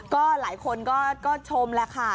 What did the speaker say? ก็หลายคนก็ชมแหละค่ะ